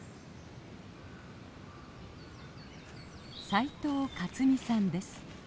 斉藤勝弥さんです。